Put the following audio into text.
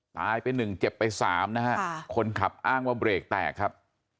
ตายไปหนึ่งเจ็บไปสามนะฮะคนขับอ้างว่าเบรกแตกครับ